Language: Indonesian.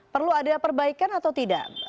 perlu ada perbaikan atau tidak